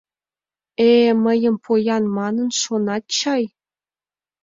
Э-э, мыйым поян манын шонат чай?